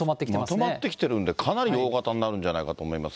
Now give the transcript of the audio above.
まとまってきてるんで、かなり大型になるんじゃないかと思い